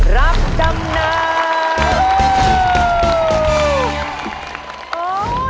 รับจำนำ